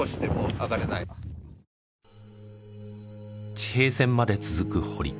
地平線まで続く堀。